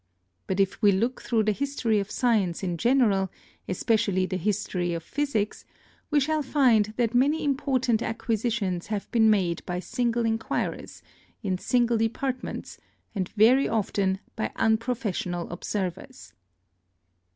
But if we look through the history of science in general, especially the history of physics, we shall find that many important acquisitions have been made by single inquirers, in single departments, and very often by unprofessional observers.